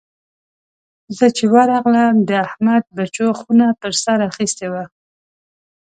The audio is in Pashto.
زه چې ورغلم؛ د احمد بچو خونه پر سر اخيستې وه.